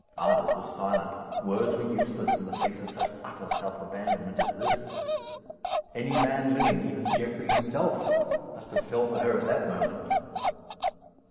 Arnold was silent. Words were useless in the face of such utter self abandonment as this. Any man living even Geoffrey himself must have felt for her at that moment.